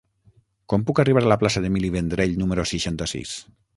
Com puc arribar a la plaça d'Emili Vendrell número seixanta-sis?